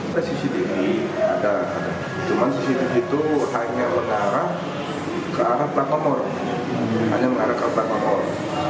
di sisi di sini ada cuma di sisi di situ hanya mengarah ke arah perangkomor